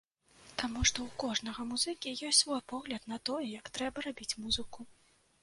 Таму што ў кожнага музыкі ёсць свой погляд на тое, як трэба рабіць музыку.